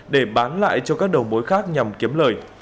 để bán lại cho các đầu mối khác nhằm kiếm lời